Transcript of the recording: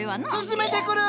薦めてくる！